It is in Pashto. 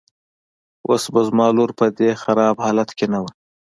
اوس به زما لور په دې خراب حالت کې نه وه.